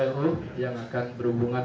lu yang akan berhubungan